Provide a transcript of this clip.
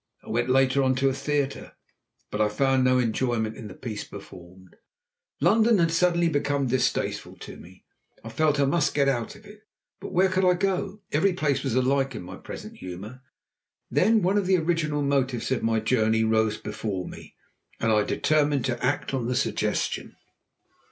I went later on to a theatre, but I found no enjoyment in the piece performed. London had suddenly become distasteful to me. I felt I must get out of it; but where could I go? Every place was alike in my present humour. Then one of the original motives of my journey rose before me, and I determined to act on the suggestion.